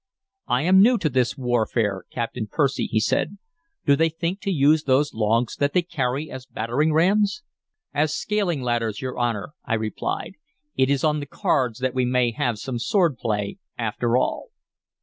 "I am new to this warfare, Captain Percy," he said. "Do they think to use those logs that they carry as battering rams?" "As scaling ladders, your Honor," I replied. "It is on the cards that we may have some sword play, after all."